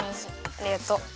ありがとう！